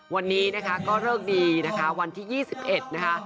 วันนี้นะคะก็เลิกดีนะคะวันที่๒๑นะคะ